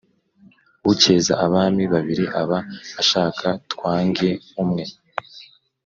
Ucyeza abami babiri aba ashaka twange umwe.